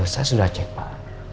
saya sudah cek pak